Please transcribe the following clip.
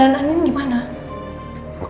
rupanya setengah secak amat